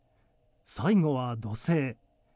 最後は土星。